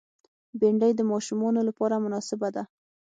بېنډۍ د ماشومانو لپاره مناسبه ده